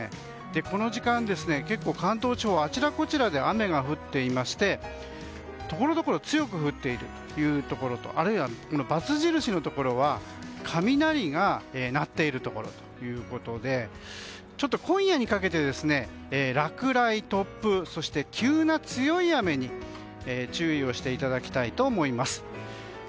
この時間、結構関東地方あちらこちらで雨が降っていましてところどころ強く降っているところとあるいはバツ印のところは雷が鳴っているところでちょっと今夜にかけて落雷、突風そして急な強い雨に注意をしていただきたいと思います。